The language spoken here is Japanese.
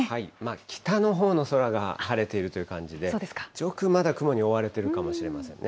北のほうの空が晴れているという感じで、上空、まだ雲に覆われてるかもしれませんね。